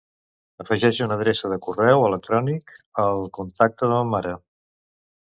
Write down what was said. Afegeix una adreça de correu electrònic al contacte de ma mare.